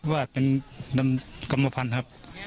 บ้านเป็นกรรมภัณฑ์ครับ